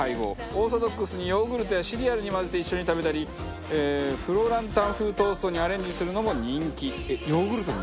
オーソドックスにヨーグルトやシリアルに混ぜて一緒に食べたりフロランタン風トーストにアレンジするのも人気。